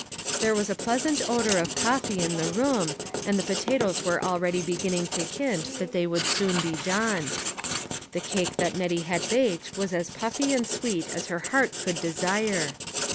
There was a pleasant odor of coffee in the room, and the potatoes were already beginning to hint that they would soon be done. The cake that Nettie had baked was as puffy and sweet as her heart could desire.